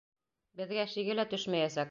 Беҙгә шиге лә төшмәйәсәк!